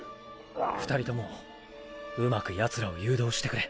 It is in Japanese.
２人ともうまく奴らを誘導してくれ。